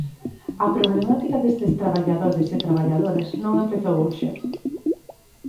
A problemática destes traballadores e traballadoras non empezou hoxe.